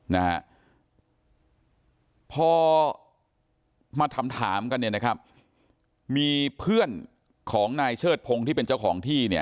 นะฮะพอมาถามถามกันเนี่ยนะครับมีเพื่อนของนายเชิดพงศ์ที่เป็นเจ้าของที่เนี่ย